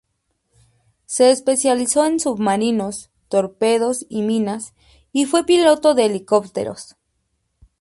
Se especializó en submarinos, torpedos y minas y fue piloto de helicópteros.